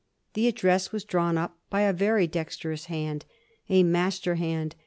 The address was drawn up by a very dexterous hand, a master hand.